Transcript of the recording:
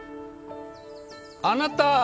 あなた！？